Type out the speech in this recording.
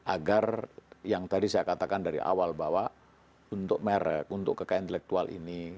agar yang tadi saya katakan dari awal bahwa untuk merek untuk kekayaan intelektual ini